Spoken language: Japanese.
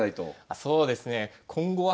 あそうですね。